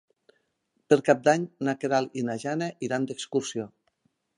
Per Cap d'Any na Queralt i na Jana iran d'excursió.